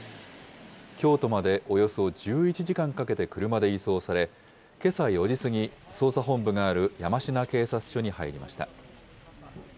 京都までおよそ１１時間かけて車で移送され、けさ４時過ぎ、捜査本部がある山科警察署に入りました。